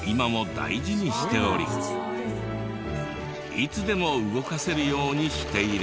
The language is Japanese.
いつでも動かせるようにしている。